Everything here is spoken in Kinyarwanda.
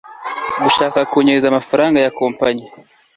gushaka kunyereza amafaranga ya company i